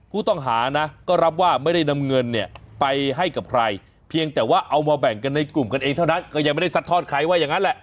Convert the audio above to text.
ผู้ต้องหานะก็รับว่าไม่ได้นำเงินเนี่ยไปให้กับใครเพียงแต่ว่าเอามาแบ่งกันในกลุ่มกันเองเท่านั้นก็ยังไม่ได้ซัดทอดใครว่าอย่างนั้นแหละ